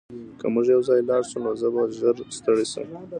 که موږ یوځای لاړ شو نو زه به ژر ستړی شم